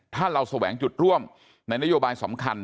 ถ้าเราแสวงจุดร่วมในนโยบายสำคัญ